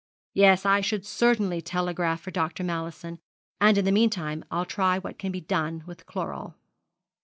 Yes, I should certainly telegraph for Dr. Mallison; and in the meantime I'll try what can be done with chloral.'